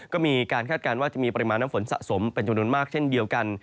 ก็มีการคาดการณ์ว่าจะมีปริมาณน้ำฝนสะสมเป็นจำนวนมากเช่นเดียวกัน